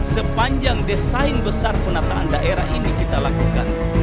sepanjang desain besar penataan daerah ini kita lakukan